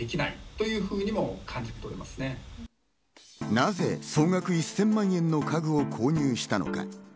なぜ総額１０００万円の家具を購入したのか。